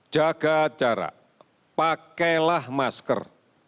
jaga jarak pakailah masker